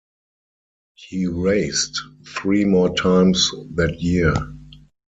He raced three more times that year.